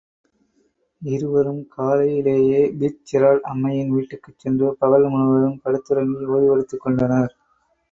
இருவரும் காலையிலேயே பிட்ஜெரால்டு அம்மையின் வீட்டுக்குச்சென்று பகல் முழுவதும் படுத்துறங்கி ஓய்வெடுத்துக்கொண்டனர்.